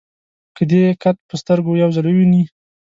که دې قد په سترګو یو ځل وویني.